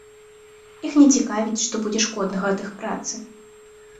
Іх не цікавіць, што будзе шкоднага ад іх працы.